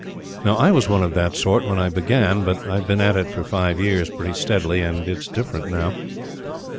Now, I was one of that sort when I began, but I've been at it for five years pretty steadily, and its different now.